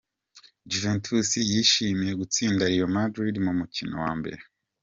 Juventus yishimiye gutsinda Real Madrid mu mukino wa mbere.